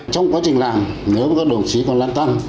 trong quá trình làm nếu các đồng chí còn lăn tăn